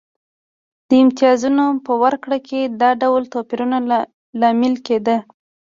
د امتیازونو په ورکړه کې دا ډول توپیرونه لامل کېده.